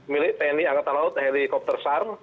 milik tni angkatan laut helikopter sar